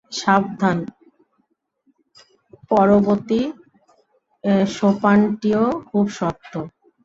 সাধনার পরবর্তী সোপানটিও খুব শক্ত।